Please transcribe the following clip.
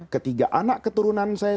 ketiga anak keturunan saya